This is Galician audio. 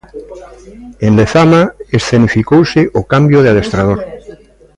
En Lezama escenificouse o cambio de adestrador.